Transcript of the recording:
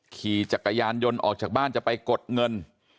ขี่จักรยานยนต์ออกจากบ้านจะไปกดเงิน